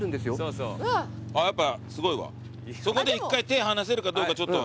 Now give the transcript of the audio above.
そこで１回手離せるかどうかちょっと。